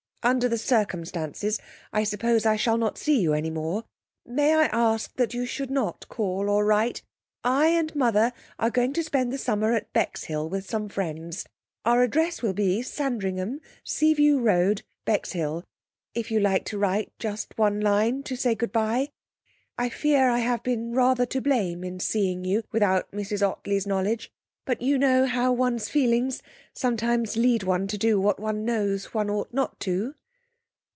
Under the circumstances I suppose I shall not see you any more. May I ask that you should not call or write. I and mother are going to spend the summer at Bexhill with some friends. Our address will be Sandringham, Seaview Road, Bexhill, if you like to write just one line to say good bye. I fear I have been rather to blame in seeing you without Mrs Ottley's knowledge, but you know how one's feelings sometimes lead one to do what one knows one ought not to